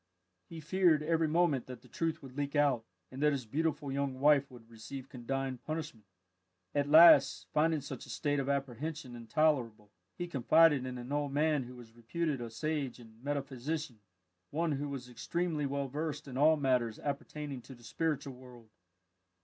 He feared every moment that the truth would leak out, and that his beautiful young wife would receive condign punishment. At last, finding such a state of apprehension intolerable, he confided in an old man who was reputed a sage and metaphysician one who was extremely well versed in all matters appertaining to the spiritual world.